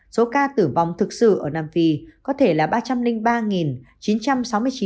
số ca tử vong do covid một mươi chín mà nam phi công bố được cho là thấp hơn nhiều so với số ca tử vong thực sự